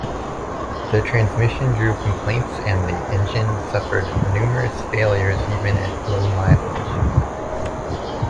The transmission drew complaints and the engine suffered numerous failures even at low mileage.